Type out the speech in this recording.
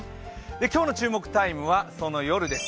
今日の注目タイムは、その夜です。